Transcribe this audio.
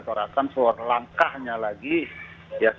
corakan soal langkahnya lagi ya seperti itu ya pak